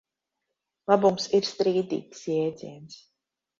Labums ir strīdīgs jēdziens.